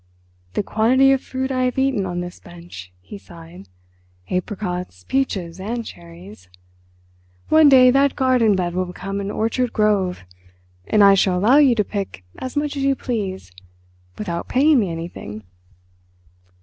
"The quantity of fruit I have eaten on this bench," he sighed; "apricots, peaches and cherries. One day that garden bed will become an orchard grove, and I shall allow you to pick as much as you please, without paying me anything."